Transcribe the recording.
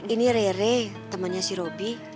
ini rere temannya si roby